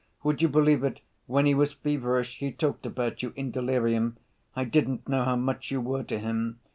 Would you believe it, when he was feverish he talked about you in delirium. I didn't know how much you were to him!